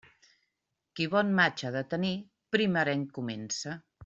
Qui bon maig ha de tenir, primerenc comença.